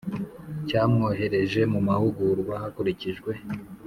Cyamwohereje mu mahugurwa hakurikijwe